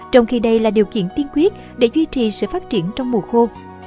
trong khi đây là điều kiện tiên quyết để duy trì sự phát triển trong mùa khô